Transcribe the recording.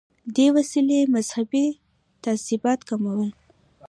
دې وسیلې مذهبي تعصبات کمول.